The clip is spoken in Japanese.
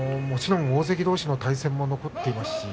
もちろん大関どうしの対戦も残っています。